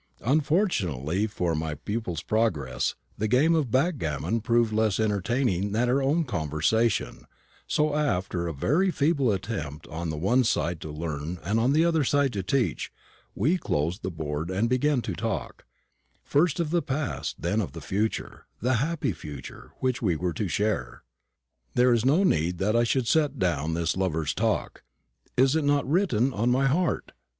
Unfortunately for my pupil's progress, the game of backgammon proved less entertaining than our own conversation, so, after a very feeble attempt on the one side to learn and on the other to teach, we closed the board and began to talk; first of the past, then of the future, the happy future, which we were to share. There is no need that I should set down this lovers' talk. Is it not written on my heart?